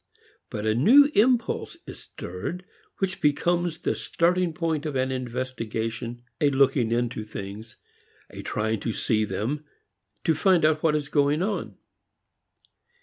But a new impulse is stirred which becomes the starting point of an investigation, a looking into things, a trying to see them, to find out what is going on.